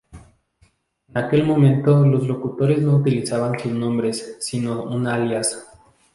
En aquel momento los locutores no utilizaban sus nombres sino un alias.